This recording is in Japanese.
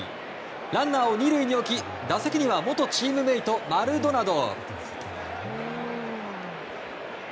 ランナーを２塁に置き打席には元チームメート、マルドナド。